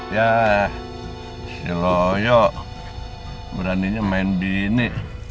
yah si loyo beraninya main bini